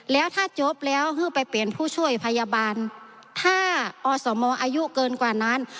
แล้วถ้าจบแล้วคือไปเปลี่ยนผู้ช่วยพยาบาลถ้าอสมอายุเกินกว่านั้น